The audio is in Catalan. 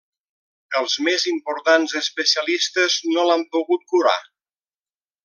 Els més importants especialistes no l'han pogut curar.